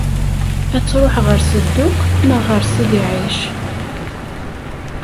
Ad tṛuḥ ɣer Sedduq neɣ ɣer Sidi ɛic?